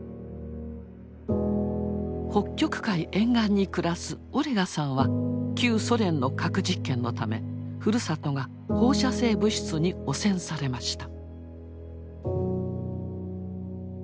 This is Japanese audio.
北極海沿岸に暮らすオレガさんは旧ソ連の核実験のためふるさとが放射性物質に汚染されました。